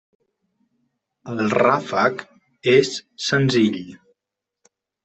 El ràfec és senzill.